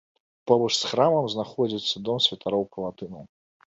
Побач з храмам знаходзіцца дом святароў-палатынаў.